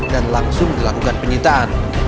dan langsung dilakukan penyitaan